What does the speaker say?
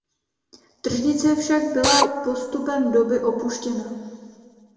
Tržnice však byla postupem doby opuštěna.